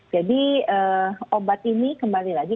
obat ini kembali lagi